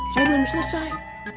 saya belum selesai